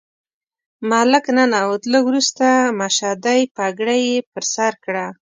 ملک ننوت، لږ وروسته مشدۍ پګړۍ یې پر سر کړه.